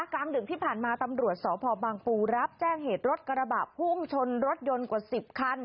กลางดึกที่ผ่านมาตำรวจสพบางปูรับแจ้งเหตุรถกระบะพุ่งชนรถยนต์กว่า๑๐คัน